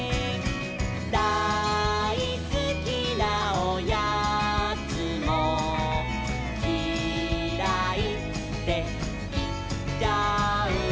「だいすきなおやつもキライっていっちゃう」